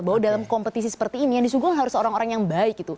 bahwa dalam kompetisi seperti ini yang disuguh harus orang orang yang baik gitu